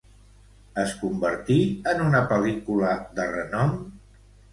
Es convertí en una pel·lícula de renom?